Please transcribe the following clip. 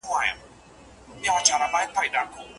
علم د انسان له پاره يو قوي وسيله ده چي ژوند ور سموي.